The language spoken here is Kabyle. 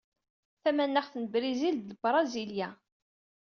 Tamaneɣt n Brizil d Brasilia.